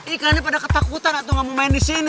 ikannya pada ketakutan atau gak mau main disini